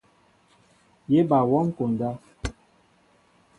Yé ba wɔŋ konda.